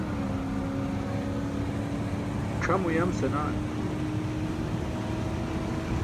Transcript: C̣ʰam uyam senaan.